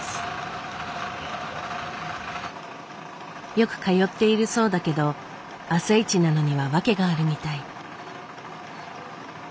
よく通っているそうだけど朝一なのには訳があるみたい。